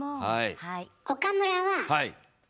はい。